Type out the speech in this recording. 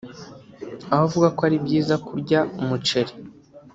aho avuga ko ari byiza kurya umuceri